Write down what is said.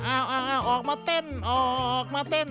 เอาออกมาเต้นออกมาเต้น